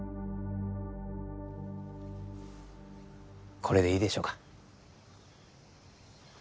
これでいいでしょうか。